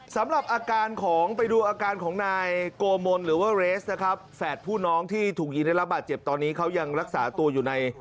สำหรับอาการของไปดูอาการของนายโกมนหรือว่าเรสนะครับแฝดผู้น้องที่ถูกยิงได้รับบาดเจ็บตอนนี้เขายังรักษาตัวอยู่ใน